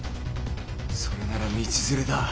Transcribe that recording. それなら道連れだ！